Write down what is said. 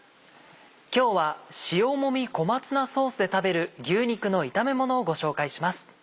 今日は塩もみ小松菜ソースで食べる牛肉の炒めものをご紹介します。